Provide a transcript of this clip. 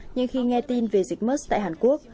nhưng khi nghe tin về dịch musk tại hàn quốc